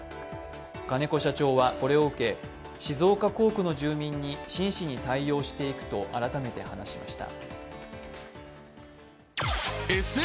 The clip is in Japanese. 金子社長はこれを受け、静岡工区の住民に真摯に対応していくと改めて話しました。